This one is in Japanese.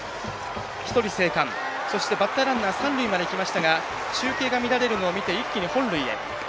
１人生還、バッターランナー三塁まで行きましたが中継が乱れるのを見て一気に本塁へ。